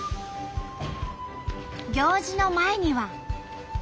行事の前には。